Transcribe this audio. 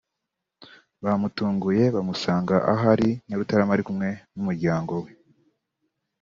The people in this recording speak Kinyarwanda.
bamutunguye bamusanga aho yari i Nyarutarama ari kumwe n’umuryango we